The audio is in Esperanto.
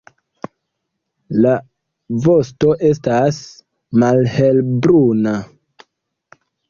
La vosto estas malhelbruna.